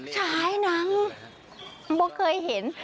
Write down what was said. สายหนังต้องคุยเห็น